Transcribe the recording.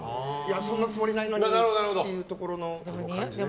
そんなつもりないのにっていうところの感じで。